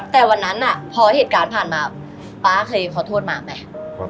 แต่วันนั้นพอเหตุการณ์ผ่านมาป๊าเคยขอโทษมาไหม